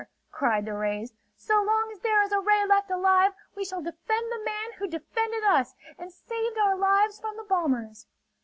cried the rays. "So long as there is a ray left alive, we shall defend the man who defended us and saved our lives from the bombers."